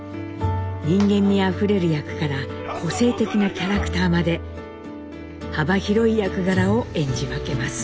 人間味あふれる役から個性的なキャラクターまで幅広い役柄を演じ分けます。